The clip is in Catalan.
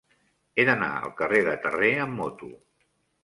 He d'anar al carrer de Terré amb moto.